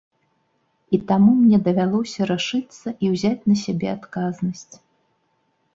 І таму мне давялося рашыцца і ўзяць на сябе адказнасць.